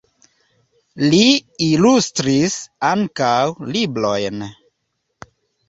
Li ilustris ankaŭ librojn.